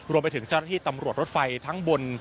รวมไปถึงเจ้าหน้าที่ตำรวจรถไฟทั้งบน